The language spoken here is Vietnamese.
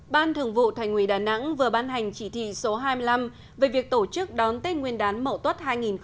bộ thành ủy đà nẵng vừa ban hành chỉ thị số hai mươi năm về việc tổ chức đón tết nguyên đán mậu tuất hai nghìn một mươi tám